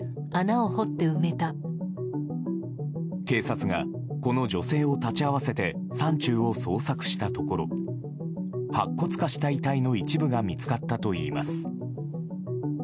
警察がこの女性を立ち会わせて山中を捜索したところ白骨化した遺体の一部が見つかったといいます。